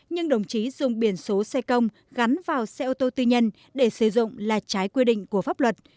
nhưng đồng chí dùng biển số xe công gắn vào xe ô tô tư nhân để sử dụng là trái quy định của pháp luật